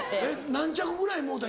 何着ぐらいもろうた？